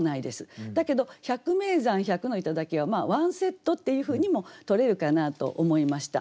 だけど「百名山」「百の頂」はワンセットっていうふうにもとれるかなと思いました。